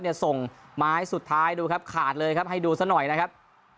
ส่งไม้สุดท้ายดูครับขาดเลยครับให้ดูซะหน่อยนะครับ